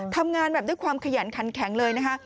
ทำงานแบบด้วยความขยันขันแข็งเลยนะคะ